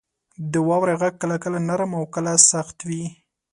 • د واورې غږ کله کله نرم او کله سخت وي.